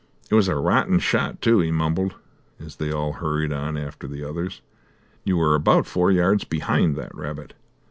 "It was a rotten shot, too," he mumbled, as they all hurried on after the others. "You were about four yards behind that rabbit."